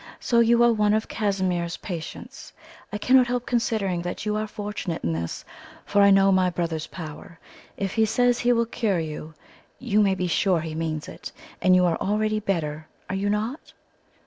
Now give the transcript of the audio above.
"so you are one of Casimir's patients? I cannot help considering that you are fortunate in this, for I know my brother's power. If he says he will cure you, you may be sure he means it. And you are already better, are you not?"